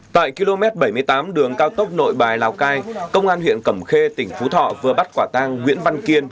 tại km bảy mươi tám đường cao tốc nội bài lào cai công an huyện cẩm khê tỉnh phú thọ vừa bắt quả tang nguyễn văn kiên